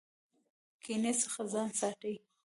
کینې څخه ځان ساتئ